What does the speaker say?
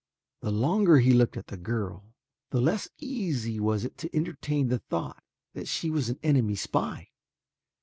The longer he looked at the girl, the less easy was it to entertain the thought that she was an enemy spy.